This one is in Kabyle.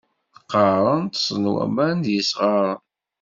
Qqaren ṭsen waman d yisɣaṛen.